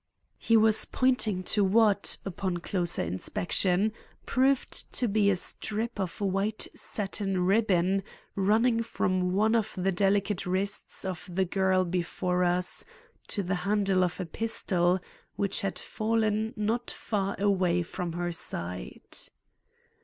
He was pointing to what, upon closer inspection, proved to be a strip of white satin ribbon running from one of the delicate wrists of the girl before us to the handle of a pistol which had fallen not far away from her side.